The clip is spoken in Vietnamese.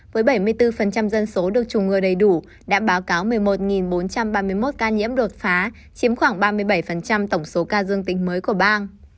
với bảy mươi bốn dân số được chủng ngừa đầy đủ đã báo cáo một mươi một bốn trăm ba mươi một ca nhiễm đột phá chiếm khoảng ba mươi bảy tổng số ca dương tính mới của bang